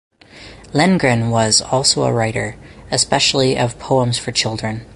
Lengren was also a writer, especially of poems for children.